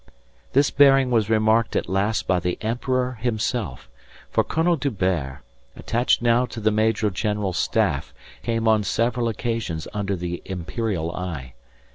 This bearing was remarked at last by the emperor himself, for Colonel D'Hubert, attached now to the Major General's staff, came on several occasions under the imperial eye.